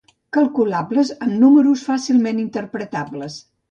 Calculables amb números fàcilment interpretables.